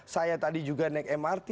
saya tadi juga naik mrt